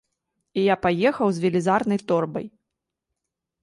І я паехаў з велізарнай торбай.